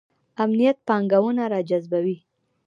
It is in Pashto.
امنیت پانګونه راجذبوي